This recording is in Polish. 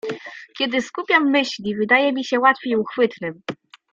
"Kiedy skupiam myśli, wydaje mi się łatwiej uchwytnym."